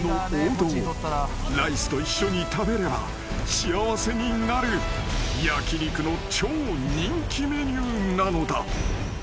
［ライスと一緒に食べれば幸せになる焼き肉の超人気メニューなのだ］